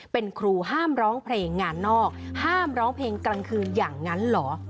เป็นครูห้ามร้องเพลงงานนอกห้ามร้องเพลงกลางคืนอย่างนั้นเหรอ